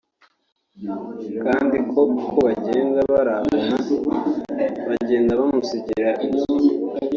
kandi ko uko bagenda baravana bagenda bamusigira inzu